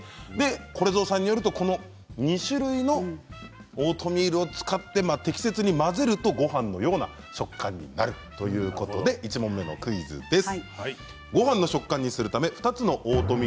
これぞうさんによるとこの２種類のオートミールを使って適切に混ぜると、ごはんのような食感になるということで１問目のクイズです。